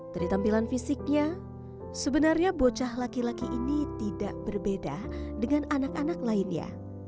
dari tampilan fisiknya sebenarnya bocah laki laki ini tidak berbeda dengan anak anak lainnya